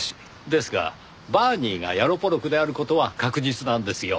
ですがバーニーがヤロポロクである事は確実なんですよ。